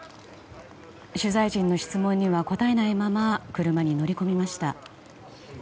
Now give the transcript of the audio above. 取材陣の質問には答えないまま車に乗り込みました。